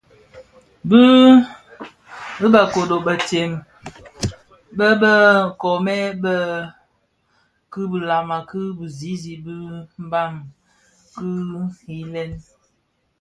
Di bë kodo bëtsem bë bë koomè bèè ki bilama ki bizizig bi Mbam kidhilè,